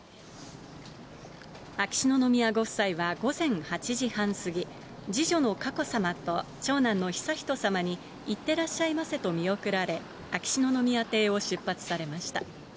秋篠宮ご夫妻は午前８時半過ぎ、次女の佳子さまと長男の悠仁さまにいってらっしゃいませと見送られ、秋篠宮邸を出発されました。